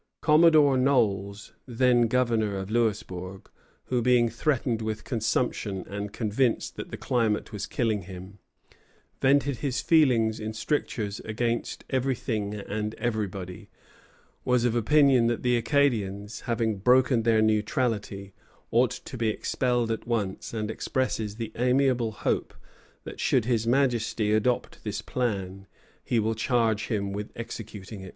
_] Commodore Knowles, then governor of Louisbourg, who, being threatened with consumption and convinced that the climate was killing him, vented his feelings in strictures against everything and everybody, was of opinion that the Acadians, having broken their neutrality, ought to be expelled at once, and expresses the amiable hope that should his Majesty adopt this plan, he will charge him with executing it.